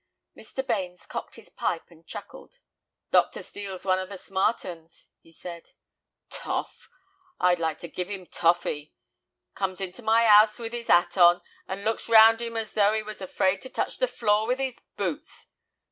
Mr. Bains cocked his pipe and chuckled. "Dr. Steel's one of the smart 'uns," he said. "Toff! I'd like to give 'im toffee! Comes into my 'ouse with 'is 'at on, and looks round 'im as though 'e was afraid to touch the floor with 'is boots.